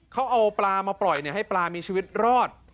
เขาเอาปลามาปล่อยให้ปลามีชีวิตรอด